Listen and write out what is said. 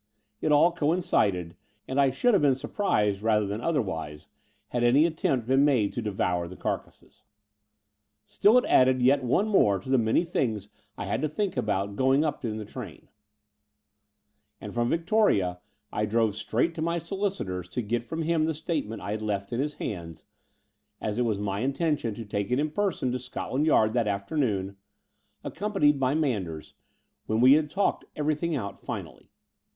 It all coincided; and I should have been surprised, rather than otherwise, had any attempt been made to devour the carcasses. Still, it added yet one more to the many things I had to think about going up in the train; and from Victoria I drove straight to my solicitor's to get from him the statement I had left in his hands, as it was my intention to take it in person to Scot land Yard that afternoon, accompanied by Man ders, when we had talked everything out finally.